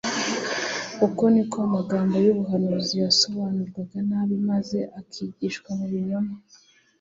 Uko niko amagambo y'ubuhanuzi yasobanurwaga nabi, maze akigishwa mu binyoma.